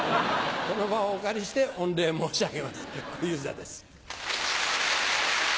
この場をお借りして御礼申し上げます小遊三です。